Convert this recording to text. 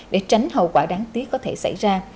để tránh hậu quả đáng tiếc có thể xảy ra